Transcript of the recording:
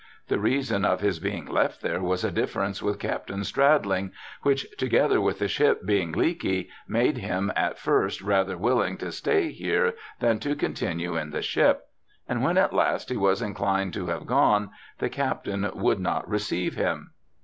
The reason of his being left there was a difference with Captain Stradling, which, together with the ship being leaky, made him at first rather willing to stay here than to continue in the ship ; and when at last he ^vas inclined to have gone, the captain would not receive him.